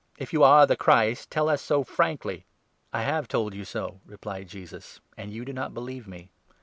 If you are the Christ, tell us so frankly." " I have told you so," replied Jesus, " and you do not believe me.